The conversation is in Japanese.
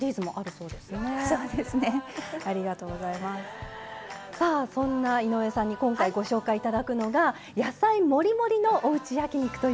そんな井上さんに今回ご紹介頂くのが野菜もりもりのおうち焼き肉ということですね。